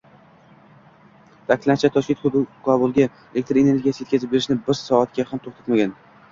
Ta’kidlanishicha, Toshkent Kobulga elektr energiyasi yetkazib erishni bir soatga ham to‘xtatmagan